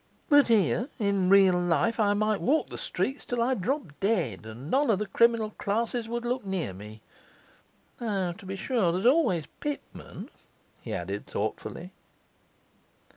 But here, in real life, I might walk the streets till I dropped dead, and none of the criminal classes would look near me. Though, to be sure, there is always Pitman,' he added thoughtfully.